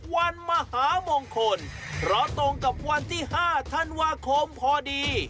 วันมหามงคลเพราะตรงกับวันที่๕ธันวาคมพอดี